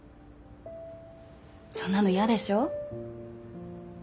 そんなの嫌でしょ？